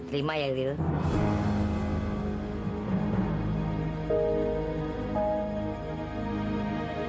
terima ya gede